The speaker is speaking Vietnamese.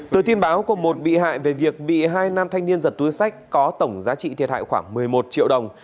từ tin báo của một bị hại về việc bị hai nam thanh niên giật túi sách có tổng giá trị thiệt hại khoảng một mươi một triệu đồng